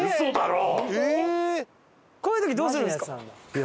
こういう時どうするんですか？